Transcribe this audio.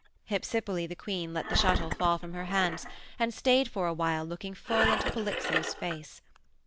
Hypsipyle, the queen, let the shuttle fall from her hands and stayed for a while looking full into Polyxo's face.